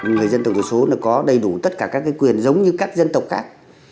người dân tộc thiểu số có đầy đủ tất cả các quyền giống như các dân tộc khác